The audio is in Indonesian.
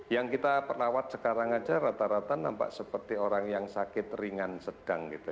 yang kita rawat sekarang saja rata rata nampak seperti orang yang sakit ringan sedang